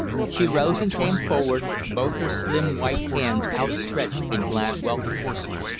She rose and came forward, both her slim white hands outstretched in glad welcome.